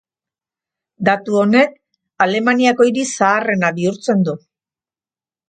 Datu honek Alemaniako hiri zaharrena bihurtzen du.